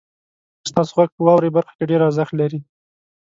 ستاسو غږ په واورئ برخه کې ډیر ارزښت لري.